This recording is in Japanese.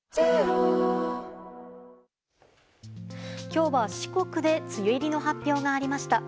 今日は四国で梅雨入りの発表がありました。